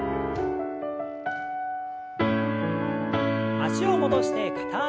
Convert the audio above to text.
脚を戻して片脚跳び。